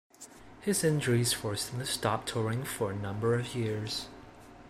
His injuries forced him to stop touring for a number of years.